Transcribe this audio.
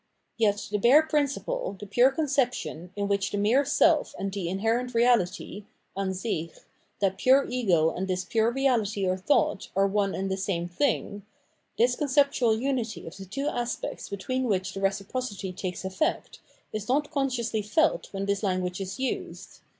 Yet the bare principle, the pure conception, in which the mere self and the inherent reahty {Ansich), that pure ego and this pure reahty or thought, are one and the same thing— this conceptual unity of the two aspects between which the reciprocity takes efiect, is not consciously felt when this language is used.